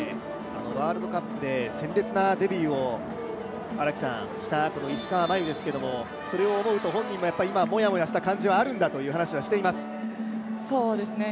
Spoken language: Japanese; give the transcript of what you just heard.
ワールドカップで鮮烈なデビューをした石川真佑ですがそれを思うと本人も今、もやもやした感じはあるんだという話はしています。